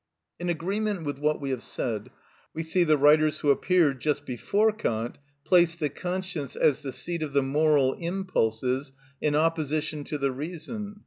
In agreement with what we have said, we see the writers who appeared just before Kant place the conscience, as the seat of the moral impulses, in opposition to the reason.